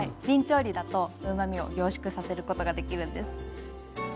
びん調理だとうまみを凝縮させることができるんです。